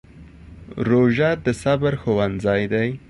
روژه د صبر ښوونځی دی.